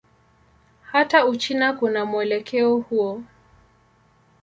Hata Uchina kuna mwelekeo huu.